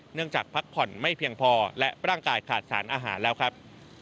จากพักผ่อนไม่เพียงพอและร่างกายขาดสารอาหารแล้วครับ